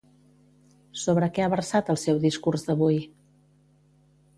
Sobre què ha versat el seu discurs d'avui?